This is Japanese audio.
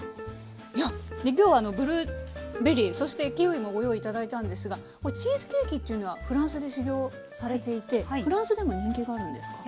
いや今日はブルーベリーそしてキウイもご用意頂いたんですがチーズケーキというのはフランスで修業されていてフランスでも人気があるんですか？